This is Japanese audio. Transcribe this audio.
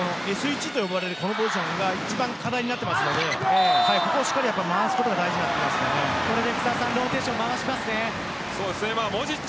Ｓ１と呼ばれるこのポジションが一番課題になっていますのでここをしっかり回すことがこれでローテーションをまわします。